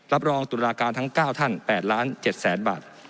รับรองตรวจราคาทั้ง๙ท่าน๘๗ล้านบาท